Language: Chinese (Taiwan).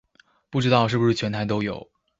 不知道是不是全台都有